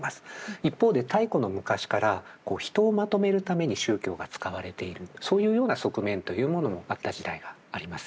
一方で太古の昔から人をまとめるために宗教が使われているそういうような側面というものもあった時代がありますよね。